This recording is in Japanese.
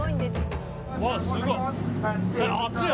あ、すごい。